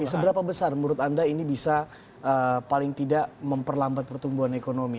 seberapa besar menurut anda ini bisa paling tidak memperlambat pertumbuhan ekonomi